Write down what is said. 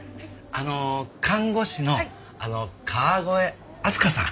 あの看護師の川越明日香さん